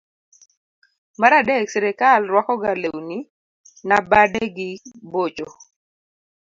mar adek srikal rwakoga lewni na badegi bocho.